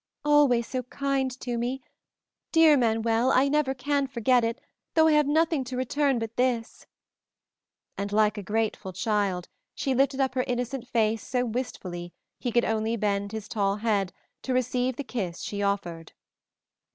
"Always so kind to me! Dear Manuel, I never can forget it, though I have nothing to return but this," and, like a grateful child, she lifted up her innocent face so wistfully he could only bend his tall head to receive the kiss she offered.